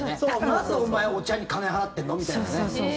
なぜお前、お茶に金払ってんの？みたいなね。